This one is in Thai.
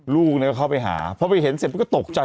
ลูกเนี่ยเข้าไปหาเพราะไปเห็นเสร็จแล้วก็ตกใจ